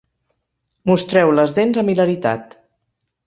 Mostreu les dents amb hilaritat.